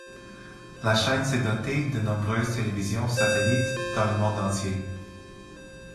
La chaîne s’est dotée de nombreuses télévisions satellites dans le monde entier.